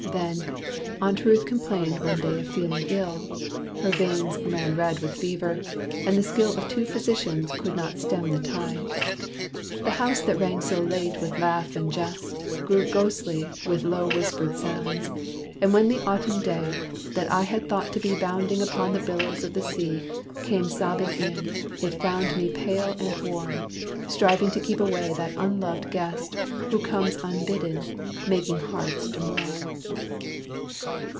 Then, Aunt Ruth complained one day of feeling ill: Her veins ran red with fever; and the skill Of two physicians could not stem the tide. The house, that rang so late with laugh and jest, Grew ghostly with low whispered sounds; and when The Autumn day, that I had thought to be Bounding upon the billows of the sea, Came sobbing in, it found me pale and worn, Striving to keep away that unloved guest Who comes unbidden, making hearts to mourn.